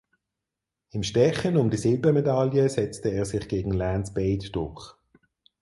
Im Stechen um die Silbermedaille setzte er sich gegen Lance Bade durch.